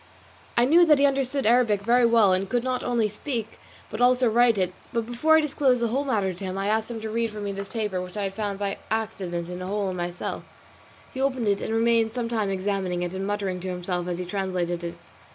I knew that he understood Arabic very well, and could not only speak but also write it; but before I disclosed the whole matter to him, I asked him to read for me this paper which I had found by accident in a hole in my cell. He opened it and remained some time examining it and muttering to himself as he translated it.